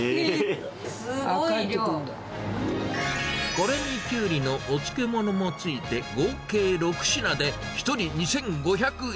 これにキュウリのお漬物もついて、合計６品で１人２５００円。